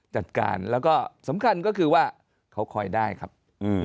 จัดการแล้วก็สำคัญก็คือว่าเขาคอยได้ครับ